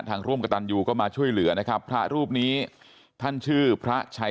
ร่วมกับตันยูก็มาช่วยเหลือนะครับพระรูปนี้ท่านชื่อพระชัย